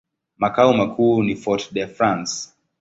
Makao makuu ni Fort-de-France.